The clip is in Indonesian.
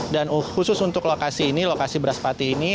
khusus untuk lokasi ini lokasi beras pati ini